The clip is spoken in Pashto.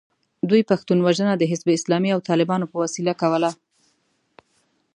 دوی پښتون وژنه د حزب اسلامي او طالبانو په وسیله کوله.